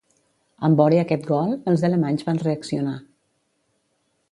En vore aquest gol, els alemanys van reaccionar.